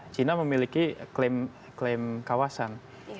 cina memiliki klaim kawasan